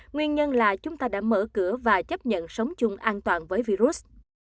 nguyên nhân là chúng ta đã mở cửa và chấp nhận sống chung an toàn với virus